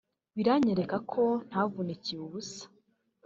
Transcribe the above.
biranyereka ko ntavunikiye ubusa